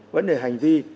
vấn đề hành vi